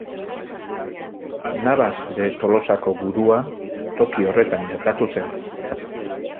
Navas de Tolosako gudua toki horretan gertatu zen.